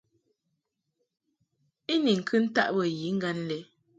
I ni ŋkɨ ntaʼ bə yiŋgan lɛ.